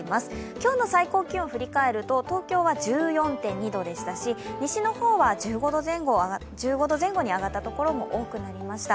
今日の最高気温を振り返ると、東京は１４．２度でしたし、西の方は１５度前後に上がった所も多くなりました。